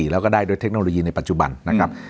แล้วก็ได้ด้วยเทคโนโลยีในปัจจุบันนะครับ